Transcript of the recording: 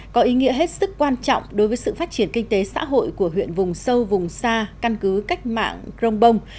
có ý nghĩa hết sức quan trọng đối với sự phát triển kinh tế xã hội của huyện vùng sâu vùng xa căn cứ cách mạng crong bông